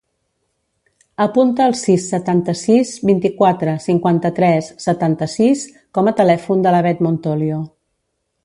Apunta el sis, setanta-sis, vint-i-quatre, cinquanta-tres, setanta-sis com a telèfon de la Beth Montolio.